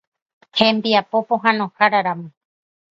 Hembiapo pohãnoháraramo.